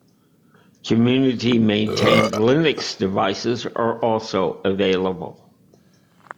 Community maintained Linux devices are also available.